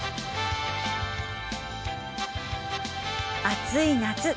暑い夏